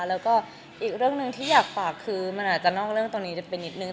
แล้วก็อีกเรื่องหนึ่งที่อยากฝากคือมันอาจจะนอกเรื่องตรงนี้ไปนิดนึง